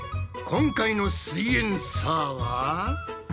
今回の「すイエんサー」は？